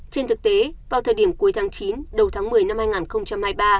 trên thực tế vào thời điểm cuối tháng chín đầu tháng một mươi năm hai nghìn hai mươi ba